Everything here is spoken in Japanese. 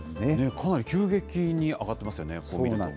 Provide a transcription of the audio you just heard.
かなり急激に上がってますよね、こう見ると。